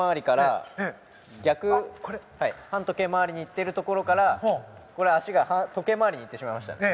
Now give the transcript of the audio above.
反時計回りに行っているところから今のは、足が時計回りに行ってしまいましたよね。